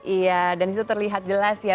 iya dan itu terlihat jelas ya